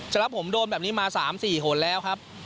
สำหรับผมโดนแบบนี้มา๓๔หนแล้วครับ